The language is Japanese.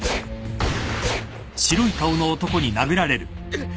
うっ。